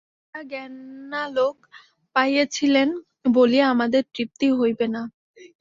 তাঁহারা জ্ঞানালোক পাইয়াছিলেন বলিয়া আমাদের তৃপ্তি হইবে না।